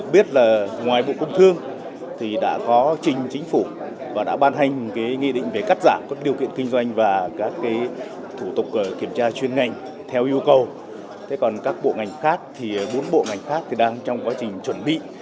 bốn bộ ngành khác đang trong quá trình chuẩn bị